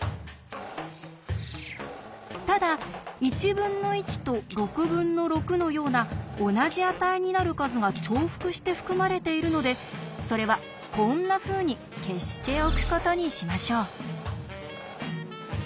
ただ「１分の１」と「６分の６」のような同じ値になる数が重複して含まれているのでそれはこんなふうに消しておくことにしましょう。